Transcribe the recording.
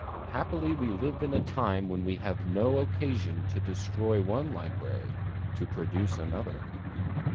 Happily we live in a time when we have no occasion to destroy one library to produce another.